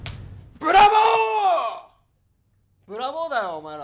ブラボーだよ、お前ら。